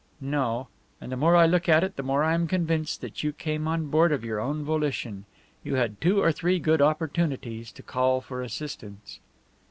"No. And the more I look at it, the more I am convinced that you came on board of your own volition. You had two or three good opportunities to call for assistance."